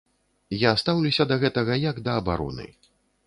Я стаўлюся да гэтага як да абароны.